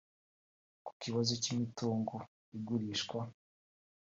Ku kibazo cy’imitungo igurishwa